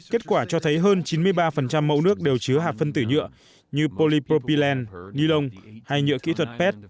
kết quả cho thấy hơn chín mươi ba mẫu nước đều chứa hạt phân tử nhựa như polypropylene nilon hay nhựa kỹ thuật pet